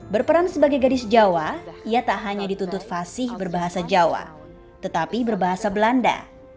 berperan sebagai gadis jawa ia tak hanya dituntut fasih berbahasa jawa tetapi berbahasa belanda